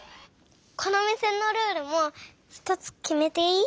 このおみせのルールもひとつきめていい？